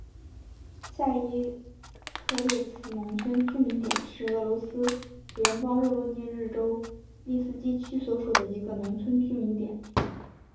下伊科列茨农村居民点是俄罗斯联邦沃罗涅日州利斯基区所属的一个农村居民点。